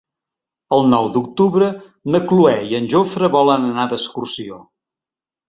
El nou d'octubre na Cloè i en Jofre volen anar d'excursió.